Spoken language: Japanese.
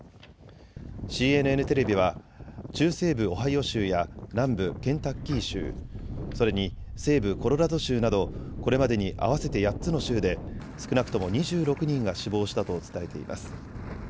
ＣＮＮテレビは中西部オハイオ州や南部ケンタッキー州、それに西部コロラド州などこれまでに合わせて８つの州で少なくとも２６人が死亡したと伝えています。